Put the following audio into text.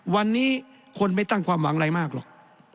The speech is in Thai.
วันนี้คนไม่ตั้งความหวังอะไรมากหรอก